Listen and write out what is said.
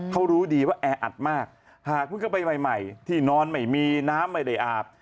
เขารู้ดีว่าแออัดมากหากเพิ่งเข้าไปใหม่ที่นอนไม่มีน้ำไม่ได้อาบ